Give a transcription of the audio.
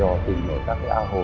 do tỉnh các cái ao hồ